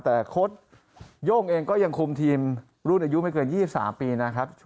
แต่โค้ดโย่งเองก็ยังคุมทีมรุ่นอายุไม่เกิน๒๓ปีนะครับ